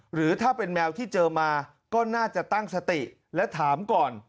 หรือถ้าเป็นแมวที่เจอมาก็น่าจะตั้งสติและถามก่อน